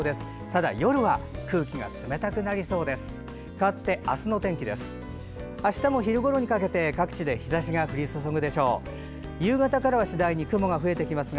ただ、夜は空気が冷たくなりそうです。